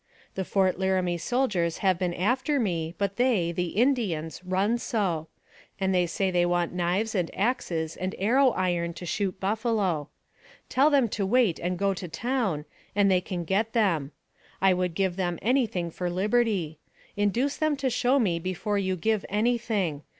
The Fort Laramie soldiers have been after me, but they (the Indians) run so ; and they say they want knives and axes and arrow iron to shoot buffalo. Tell them to wait and go to town, and they can get them. I would give them any thing for liberty. Induce them AMONG THE SIOUX INDIANS. 277 to show me before you give any thing.